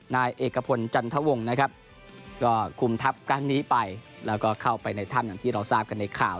นายเอกพลจันทวงนะครับก็คุมทัพครั้งนี้ไปแล้วก็เข้าไปในถ้ำอย่างที่เราทราบกันในข่าว